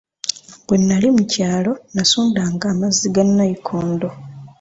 Bwe nali mu kyalo nasundanga amazzi ga nayikondo.